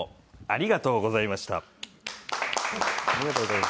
ありがとうございます。